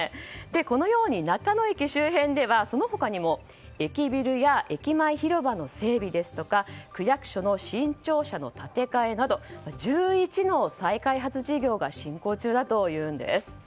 このように中野駅周辺ではその他にも駅ビルや駅前広場の整備ですとか区役所の新庁舎の建て替えなど１１の再開発事業が進行中だというんです。